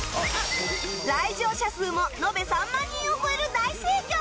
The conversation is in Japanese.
来場者数も延べ３万人を超える大盛況！